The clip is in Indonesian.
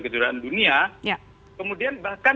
agar tidak jadi ponto pemintu vaccine kan